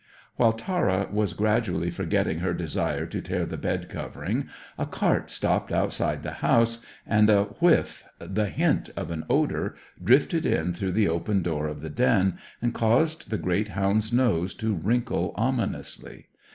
While Tara was gradually forgetting her desire to tear the bed covering, a cart stopped outside the house, and a whiff, the hint of an odour, drifted in through the open door of the den, and caused the great hound's nose to wrinkle ominously.